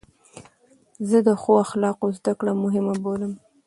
زه د ښو اخلاقو زدکړه مهمه بولم.